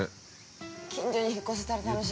近所に引っ越せたら楽しい。